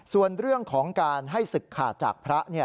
ส่วนเรื่องของการให้ศึกขาดจากพระ